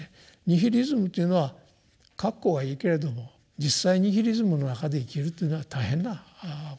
ニヒリズムというのは格好はいいけれども実際ニヒリズムの中で生きるというのは大変なことですよ。